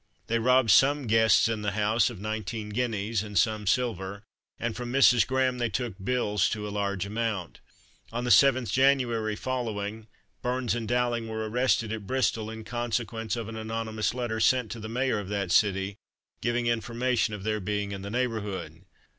They robbed some guests in the house of nineteen guineas, and some silver; and from Mrs. Graham they took bills to a large amount. On the 7th January, following, Burns and Dowling were arrested at Bristol, in consequence of an anonymous letter sent to the mayor of that city, giving information of their being in the neighbourhood.